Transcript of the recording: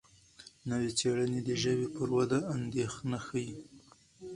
نوې څېړنې د ژبې پر وده اندېښنه ښيي.